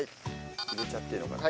入れちゃっていいのかな？